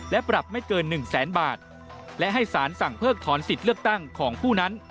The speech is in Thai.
และปรับไม่เกินหนึ่งแสนบาทและให้สารสั่งเพิกถอนสิทธิ์เลือกตั้งของผู้นั้น